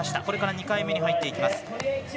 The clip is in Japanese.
これから２回目に入っていきます。